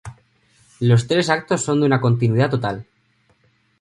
Los tres actos son de una continuidad total.